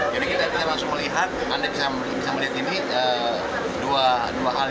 jadi dua alat ini langsung membandingkan antara yang dideteksi oleh side scan sonar dan kemudian dibandingkan